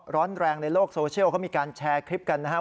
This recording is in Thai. ร้อนแรงในโลกโซเชียลเขามีการแชร์คลิปกันนะครับ